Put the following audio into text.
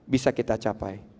bisa kita capai